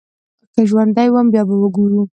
که ژوندی وم بيا به ګورو.